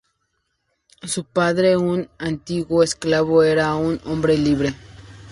Su padre, un antiguo esclavo, era un "hombre libre".